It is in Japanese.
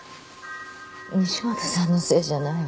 西本さんのせいじゃないわ。